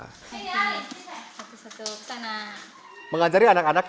mereka berdua berdua berdua mengajar anak anak